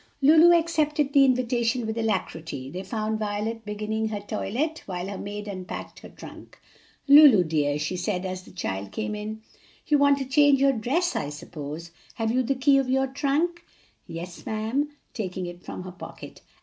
Lulu accepted the invitation with alacrity. They found Violet beginning her toilet while her maid unpacked her trunk. "Lulu, dear," she said, as the child came in, "you want to change your dress I suppose? Have you the key of your trunk?" "Yes, ma'am," taking it from her pocket.